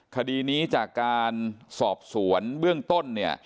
คดีนี้จากการสอบสวนเบื้องต้นเนี่ย